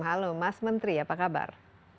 halo mas menteri apa kabar